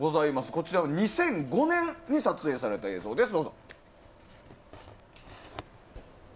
こちらは２００５年に撮影された映像です。